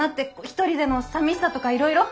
一人での寂しさとかいろいろ。